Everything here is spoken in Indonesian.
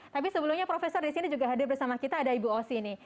tapi sebelumnya profesor disini juga hadir bersama kita ada ibu osy ini